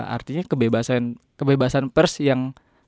artinya kebebasan pers yang